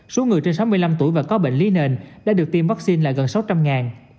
số người trên sáu mươi năm tuổi và có bệnh lý nền đã được tiêm vaccine là gần sáu trăm linh